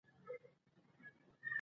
ولایتونه د افغانانو د ژوند طرز اغېزمنوي.